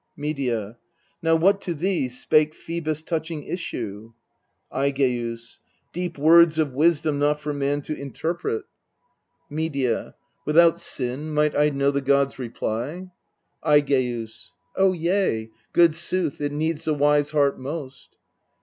Medea. Now what to thee spake Phoebus touching issue ? Aigeus. Deep words of wisdom not for man to inter pret. MEDKA 265 Medea, Without sin might I know the god's reply ? Aigcus. O yea good sooth, it needs the wise heart most.